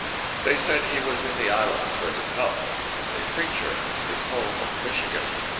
They said he was in the Islands for his health; was a preacher; his home, Michigan.